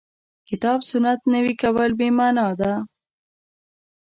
کتاب سنت نوي کول بې معنا ده.